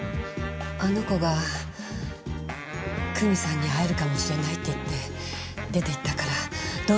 あの子が久美さんに会えるかもしれないって言って出て行ったからどうしても気になって。